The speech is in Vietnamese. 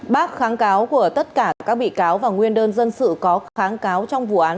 bác kháng cáo của tất cả các bị cáo và nguyên đơn dân sự có kháng cáo trong vụ án